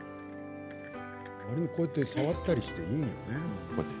こうやって触ったりしていいのね。